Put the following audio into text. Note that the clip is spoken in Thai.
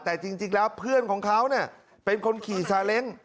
แต่จริงแล้วเพื่อนของเขาเป็นคนขี่ซาเล้ง